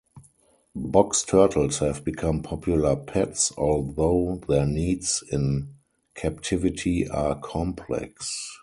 Box turtles have become popular pets, although their needs in captivity are complex.